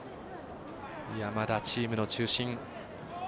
山田、チームの中心。